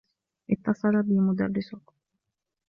اتّصل بي مدرّسك.